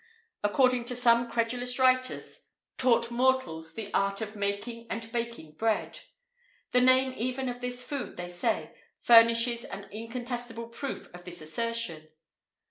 according to some credulous writers, taught mortals the art of making and baking bread. The name even of this food, they say, furnishes an incontestable proof of this assertion.